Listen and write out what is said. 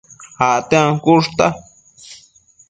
Acte ancushta